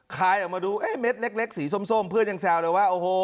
คลายออกมาดูเอ๊ะเม็ดเล็กสีส้มเพื่อนยังแซวเลยว่าโอ้โห